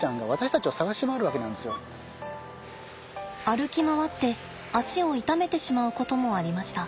歩き回って肢を傷めてしまうこともありました。